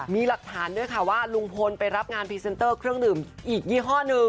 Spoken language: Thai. มีหลักฐานด้วยค่ะว่าลุงพลไปรับงานพรีเซนเตอร์เครื่องดื่มอีกยี่ห้อหนึ่ง